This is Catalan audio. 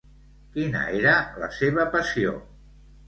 Quina era la seva passió?